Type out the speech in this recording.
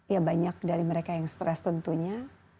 ya banyak dari mereka yang stres tentunya